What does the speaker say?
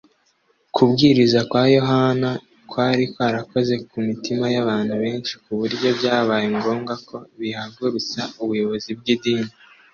Kubwiriza kwa Yohana kwari kwarakoze ku mitima y’abantu benshi ku buryo byabaye ngombwa ko bihagurutsa ubuyozi bw’idini.